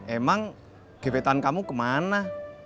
emang gebetan kamu kemana